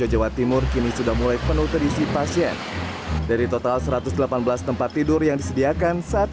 jawa timur kini sudah mulai penuh terisi pasien dari total satu ratus delapan belas tempat tidur yang disediakan saat